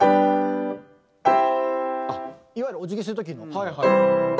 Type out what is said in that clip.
いわゆるお辞儀する時の。